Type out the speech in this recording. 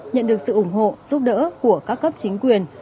nhận được sự ủng hộ giúp đỡ của các cấp chính quyền